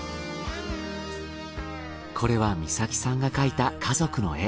これは実咲さんが描いた家族の絵。